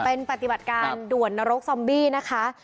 เป็นปฏิบัติการด่วนนรกซอมบี้นะคะ